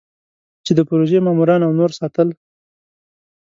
چې د پروژې ماموران او نور ساتل.